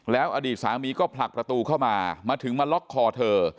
แล้วอดีตสามีก็ผลักประตูเข้ามามาถึงมาล็อกคอเธอ